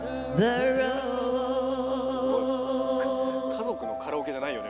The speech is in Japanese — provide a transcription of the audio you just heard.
家族のカラオケじゃない。